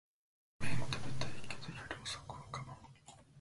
ラーメン食べたいけど夜遅くは我慢